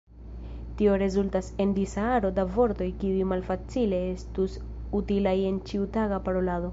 Tio rezultas en disa aro da vortoj kiuj malfacile estus utilaj en ĉiutaga parolado.